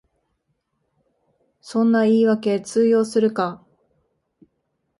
そんな言いわけ通用するか